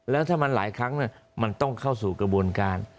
แล้วถ้ามันหลายครั้งมันต้องเข้าสู่กระบวนการ